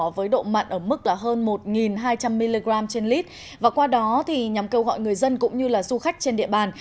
với độ mặn ở mức hơn một hai trăm linh mg trên lít và qua đó nhằm kêu gọi người dân cũng như du khách trên địa bàn